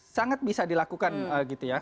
sangat bisa dilakukan gitu ya